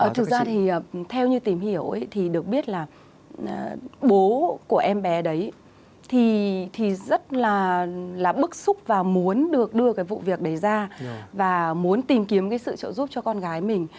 thực ra thì theo như tìm hiểu thì được biết là bố của em bé đấy thì rất là bức xúc và muốn được đưa cái vụ việc đấy ra và muốn tìm kiếm cái sự trợ giúp cho con gái mình